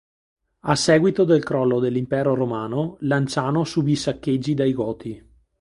A seguito del crollo dell'Impero Romano, Lanciano subì saccheggi dai Goti.